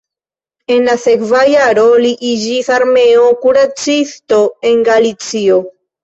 En la sekva jaro li iĝis armeo kuracisto en Galicio.